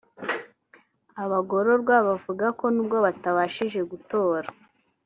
Abagororwa bavuga ko nubwo batabashije gutora